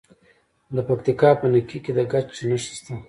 د پکتیکا په نکې کې د ګچ نښې شته.